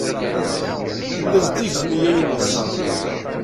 Tella zeddiget nneyya-nnes.